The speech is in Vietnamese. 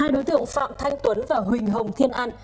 hai đối tượng phạm thanh tuấn và huỳnh hồng thiên an